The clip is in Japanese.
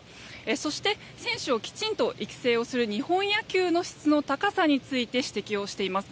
そして、選手をきちんと育成をする日本野球の質の高さについて指摘をしています。